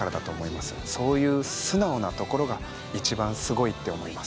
そういう素直なところが一番すごいって思います。